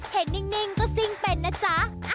นิ่งก็ซิ่งเป็นนะจ๊ะ